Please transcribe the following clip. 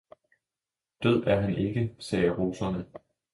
Død er han ikke, sagde roserne.